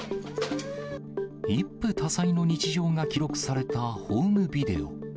一夫多妻の日常が記録されたホームビデオ。